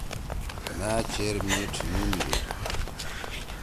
مأ چیر میِٹ نیِند ڈیڑ۔